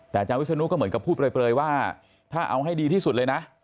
แต่อาจารย์วิศนุก็เหมือนกับพูดเปลยว่าถ้าเอาให้ดีที่สุดเลยนะ